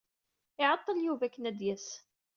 Iɛeḍḍel Yuba akken ad d-yas.